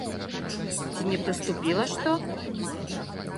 Ці не прыступіла што?